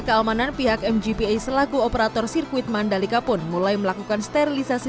keamanan pihak mgpa selaku operator sirkuit mandalika pun mulai melakukan sterilisasi